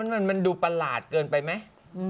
มันดูประหลาดเกินไปไหม